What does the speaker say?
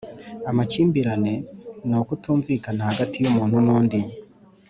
Amakimbirane ni ukutumvikana hagati y’umuntu n’undi